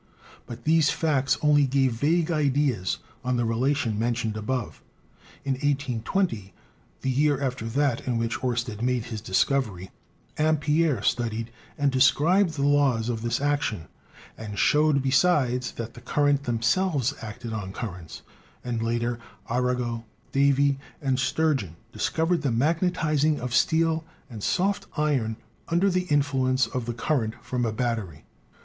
But these facts only gave vague ideas on the relation mentioned above. In 1820, the year after that in which Oersted made his discovery, Ampere studied and described the laws of this action, and showed besides that the currents themselves acted on currents, and later Arago, Davy and Sturgeon discovered the magnetizing of steel and soft iron under the influence of the current from a battery.